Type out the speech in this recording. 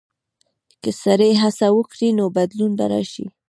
که سړی هڅه وکړي، نو بدلون به راشي.